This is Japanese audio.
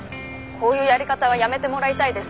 こういうやり方はやめてもらいたいです。